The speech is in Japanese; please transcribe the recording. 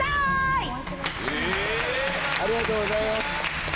ありがとうございます。